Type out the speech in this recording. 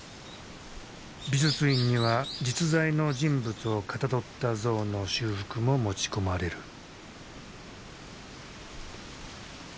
美術院には実在の人物をかたどった像の修復も持ち込まれる。